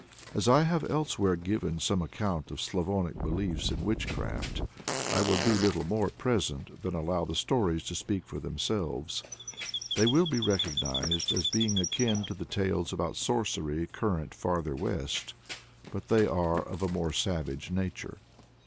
As I have elsewhere given some account of Slavonic beliefs in witchcraft, I will do little more at present than allow the stories to speak for themselves. They will be recognized as being akin to the tales about sorcery current farther west, but they are of a more savage nature.